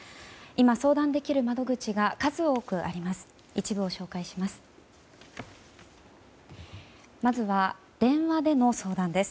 今、相談できる窓口が数多くあります。